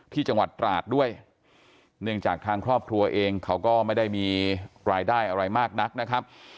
ที่จังหวัดตราดด้วยเนื่องจากทางครอบครัวเองเขาก็ไม่ได้มีรายได้อะไรมากนักนะครับ